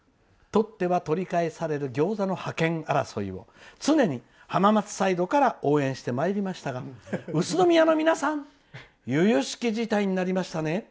とっては取り返される餃子の覇権争いを常に浜松サイドから応援してまいりましたが宇都宮の皆さん由々しき事態になりましたね！